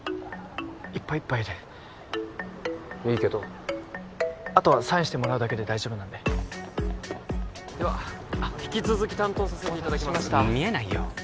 いっぱいいっぱいでいいけどあとはサインしてもらうだけで大丈夫なんででは引き続き担当させていただきます見えないよ